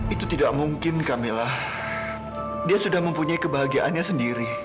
itu tidak mungkin camillah dia sudah mempunyai kebahagiaannya sendiri